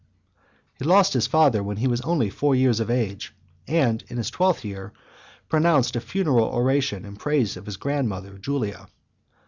VIII. He lost his father when he was only four years of age; and, in his twelfth year, pronounced a funeral oration in praise of his grand mother Julia.